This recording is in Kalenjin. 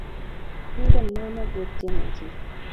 Ingen mama kotien ochein